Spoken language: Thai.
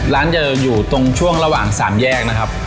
ร้านจะอยู่ตรงช่วงระหว่าง๓แยกนะครับ